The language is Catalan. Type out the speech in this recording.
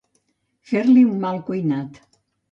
Fer-li un mal cuinat.